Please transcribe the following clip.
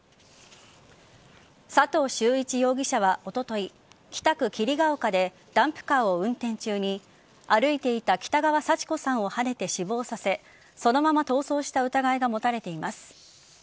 佐藤秀一容疑者はおととい北区桐ケ丘でダンプカーを運転中に歩いていた北川幸子さんをはねて死亡させそのまま逃走した疑いが持たれています。